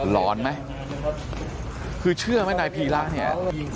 ร้อนไหมคือเชื่อไหมนายพีระเนี่ย